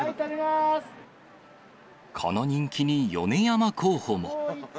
この人気に米山候補も。